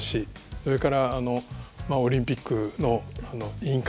それからオリンピックの委員会